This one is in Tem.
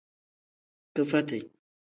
Kifati.